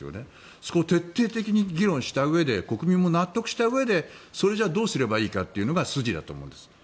そこを徹底的に議論したうえで国民も納得したうえでそれじゃどうすればいいかというのが筋だと思うんです。